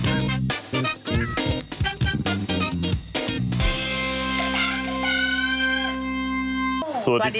เอาใหม่ซักนิด